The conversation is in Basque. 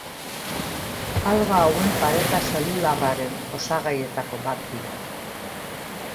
Alga hauen pareta zelularraren osagaietako bat dira.